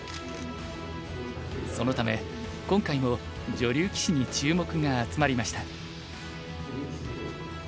そのため今回も女流棋士に注目が集まりました。